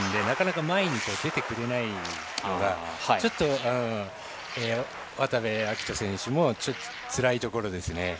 なかなか前に出てくれないのがちょっと渡部暁斗選手もつらいところですよね。